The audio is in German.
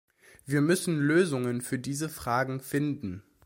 Wir müssen Lösungen für diese Fragen finden.